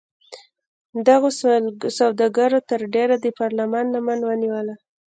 دغو سوداګرو تر ډېره د پارلمان لمن ونیوله.